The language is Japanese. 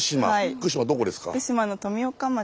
福島どこですか？